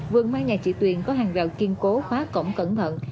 vườn mai nhà chị tuyền có hàng rào kiên cố phá cổng cẩn thận